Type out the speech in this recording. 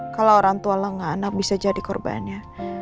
kalau orang tua lengah anak bisa jadi korbannya